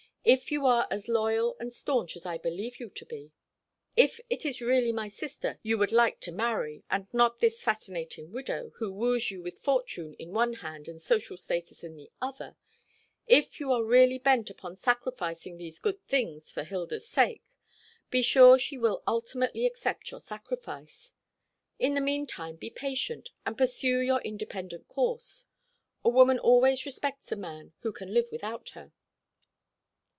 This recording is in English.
"If you are as loyal and staunch as I believe you to be; if it is really my sister you would like to many, and not this fascinating widow, who woos you with fortune in one hand and social status in the other; if you are really bent upon sacrificing these good things for Hilda's sake, be sure she will ultimately accept your sacrifice. In the mean time be patient, and pursue your independent course. A woman always respects a man who can live without her."